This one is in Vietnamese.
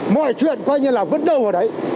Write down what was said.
mọi chuyện vẫn đâu ở đấy